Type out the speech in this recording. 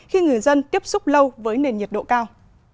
khi người dân tiếp xúc lâu với nền nhiệt độ cao